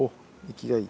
生きがいい。